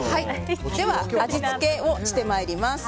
では味付けをしてまいります。